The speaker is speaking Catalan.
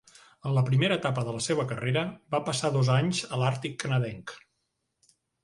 En la primera etapa de la seva carrera, va passar dos anys a l'Àrtic canadenc.